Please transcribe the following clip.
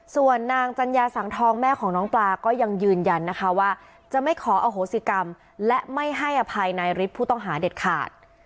ส่วนนางจัญญาสังทองแม่ของน้องปลาก็ยังยืนยันนะคะว่าจะไม่ขออโหสิกรรมและไม่ให้อภัยนายฤทธิ์ผู้ต้องหาเด็ดขาด